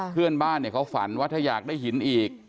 เพื่อนบ้านเขาฝันว่าถ้าอยากได้หินอีก